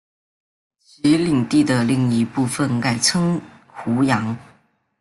其领地的另一部分改称湖阳。